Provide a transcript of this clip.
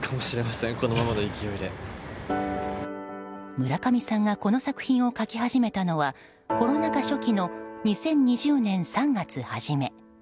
村上さんがこの作品を書き始めたのはコロナ禍初期の２０２０年３月初め。